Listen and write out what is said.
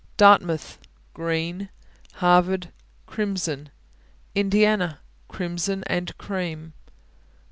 Dartmouth Green. Harvard Crimson. Indiana Crimson and cream.